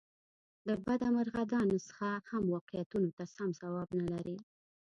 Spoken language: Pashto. له بده مرغه دا نسخه هم واقعیتونو ته سم ځواب نه لري.